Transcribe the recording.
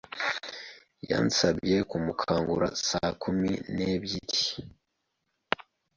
Yansabye kumukangura saa kumi n'ebyiri.